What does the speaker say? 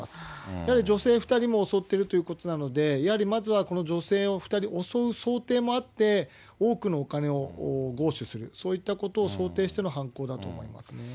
やはり女性２人も襲っているということなので、やはりまずはこの女性２人襲う想定もあって、多くの金を強取する、そういったことを想定しての犯行だと思いますね。